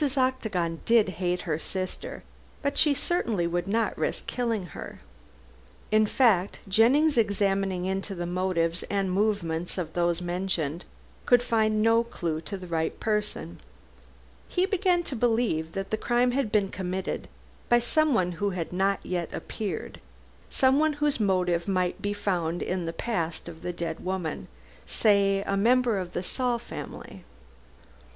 Octagon did hate her sister, but she certainly would not risk killing her. In fact, Jennings examining into the motives and movements of those mentioned, could find no clue to the right person. He began to believe that the crime had been committed by someone who had not yet appeared someone whose motive might be found in the past of the dead woman. Say a member of the Saul family.